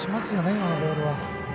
今のボールは。